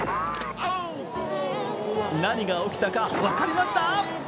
何が起きたか分かりました？